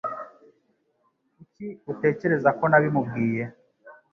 Kuki utekereza ko nabimubwiye?